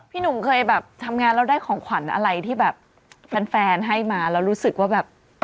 พี่หนุ่มเคยแบบทำงานแล้วได้ของขวัญอะไรที่แบบแฟนให้มาแล้วรู้สึกว่าแบบ